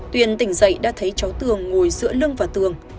tuyền tỉnh dậy đã thấy cháu tường ngồi giữa lưng và tường